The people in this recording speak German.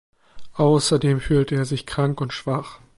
Außerdem fühlte er sich krank und schwach.